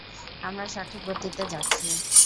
আমরা সঠিক গতিতে যাচ্ছি।